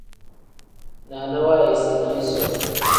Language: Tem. Naana waayisina isoo.